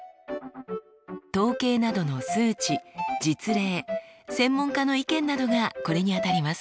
統計などの数値実例専門家の意見などがこれにあたります。